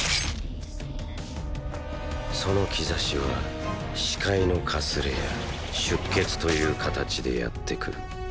その“兆し”は視界のかすれや出血という形でやってくる。